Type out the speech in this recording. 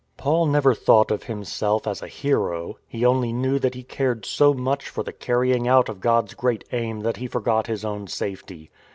Paul never thought of himself as a hero; he only knew that he cared so much for the carrying out of God's great aim that he forgot his own safety.